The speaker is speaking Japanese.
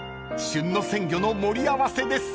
［旬の鮮魚の盛り合わせです］